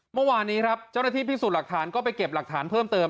เมื่อวานนี้ครับเจ้าหน้าที่พิสูจน์หลักฐานก็ไปเก็บหลักฐานเพิ่มเติม